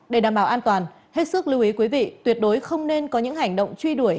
để đảm bảo an toàn hết sức lưu ý quý vị tuyệt đối không nên có những hành động truy đuổi